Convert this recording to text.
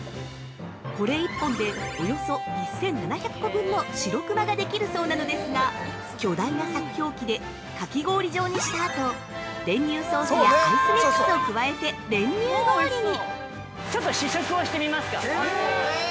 これ１本でおよそ１７００個分の白熊ができるそうなのですが、巨大な削氷機でかき氷状にしたあと、練乳ソースやアイスミックスを加えて練乳氷に！